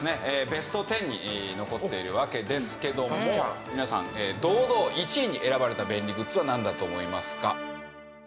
ベスト１０に残っているわけですけども皆さん堂々１位に選ばれた便利グッズはなんだと思いますか？